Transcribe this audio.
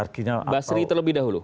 hirarkinya basri terlebih dahulu